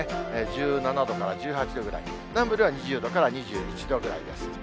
１７度から１８度ぐらい、南部では２０度から２１度ぐらいです。